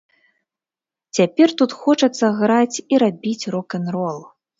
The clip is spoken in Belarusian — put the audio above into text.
Цяпер тут хочацца граць і рабіць рок-н-рол.